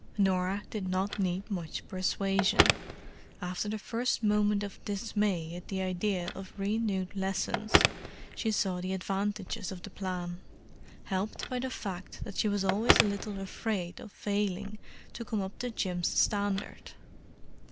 Norah did not need much persuasion; after the first moment of dismay at the idea of renewed lessons she saw the advantages of the plan—helped by the fact that she was always a little afraid of failing to come up to Jim's standard.